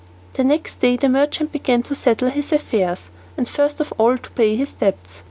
The next day the merchant began to settle his affairs, and first of all to pay his debts.